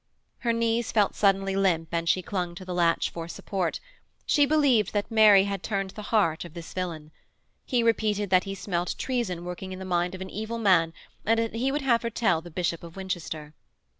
Her knees felt suddenly limp and she clung to the latch for support; she believed that Mary had turned the heart of this villain. He repeated that he smelt treason working in the mind of an evil man, and that he would have her tell the Bishop of Winchester.